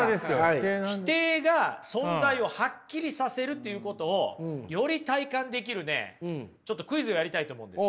否定が存在をハッキリさせるっていうことをより体感できるねちょっとクイズをやりたいと思うんですよ。